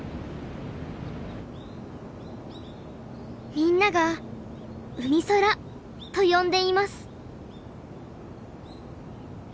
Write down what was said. みんなが「うみそら」と呼んでいます。